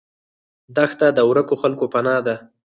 دښته د ورکو خلکو پناه ده.